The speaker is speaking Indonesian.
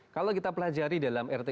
kalau kita pelajari dalam rt rw dan edtr ya